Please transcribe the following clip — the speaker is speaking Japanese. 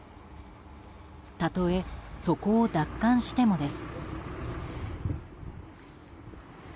たとえ、そこを奪還してもです。